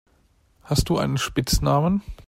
Hast du einen Spitznamen?